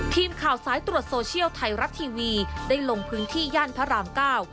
ทีมข่าวสายตรวจโซเชียลไทยรัฐทีวีได้ลงพื้นที่ย่านพระรามเก้า